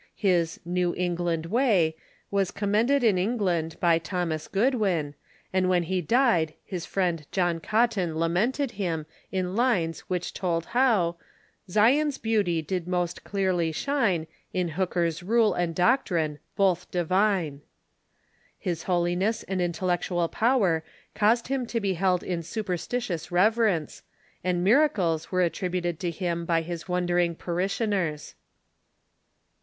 His " New England Way " was commended in England by Thomas Goodwin, and when he died his friend John Cotton lamented him in lines which told how "Zion's beauty did most clearly shine In Hooker's rule and doctrine, both divine." His holiness and intellectual power caused him to be held in superstitious reverence, and miracles were attributed to him by his wondering parishioners.